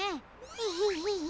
エヘヘヘ。